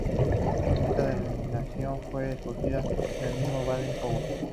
Esta denominación fue escogida por el mismo Baden-Powell.